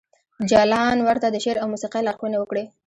جلان ورته د شعر او موسیقۍ لارښوونې وکړې